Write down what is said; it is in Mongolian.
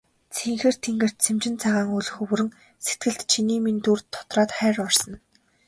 Цэнхэр тэнгэрт сэмжин цагаан үүл хөврөн сэтгэлд чиний минь дүр тодроод хайр урсана.